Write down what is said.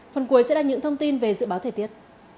phần cuối sẽ là những thông tin về dự báo thời tiết